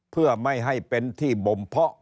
เพื่อไม่ให้เป็นที่บ่มเพาะ